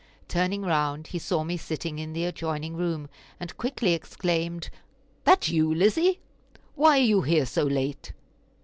Turning round, he saw me sitting in the adjoining room, and quickly exclaimed: "That you, Lizzie! why are you here so late?